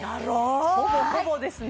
ほぼほぼですね